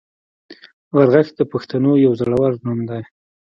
غرغښت د پښتنو یو زوړ نوم دی